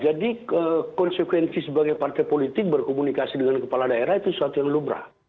jadi konsekuensi sebagai partai politik berkomunikasi dengan kepala daerah itu sesuatu yang lubrah